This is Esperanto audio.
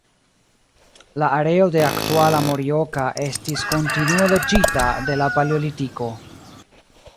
La areo de aktuala Morioka estis kontinue loĝita de la paleolitiko.